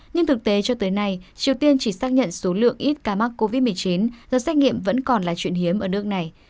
nhưng thực tế cho tới nay triều tiên chỉ xác nhận số lượng ít ca mắc covid một mươi chín do xét nghiệm vẫn còn là chuyện hiếm ở nước này